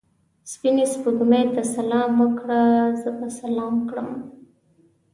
سپینې سپوږمۍ ته سلام وکړه؛ زه به سلام کړم.